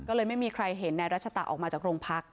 ก็เลยไม่มีใครเห็นรัชฎาออกมาจากโรงพักษณ์